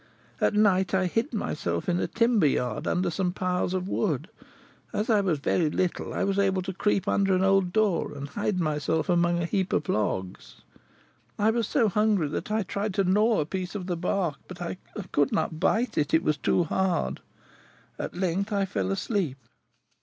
At night I hid myself in a timber yard, under some piles of wood. As I was very little, I was able to creep under an old door and hide myself amongst a heap of logs. I was so hungry that I tried to gnaw a piece of the bark, but I could not bite it, it was too hard. At length I fell asleep.